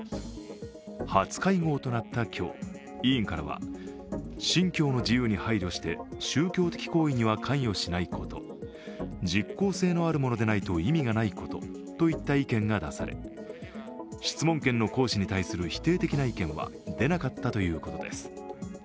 初会合となった今日、委員からは信教の自由に配慮して宗教的行為には関与しないこと、実効性のあるものでないと意味がないことといった意見が出され質問権の行使に対する否定的な意見は出なかったということです。